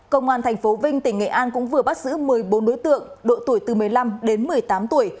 công an tp vinh tỉnh nghệ an cũng vừa bắt giữ một mươi bốn đối tượng độ tuổi từ một mươi năm đến một mươi tám tuổi